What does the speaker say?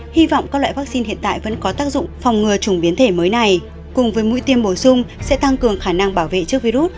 hy vọng các loại vaccine hiện tại vẫn có tác dụng phòng ngừa chủng biến thể mới này cùng với mũi tiêm bổ sung sẽ tăng cường khả năng bảo vệ trước virus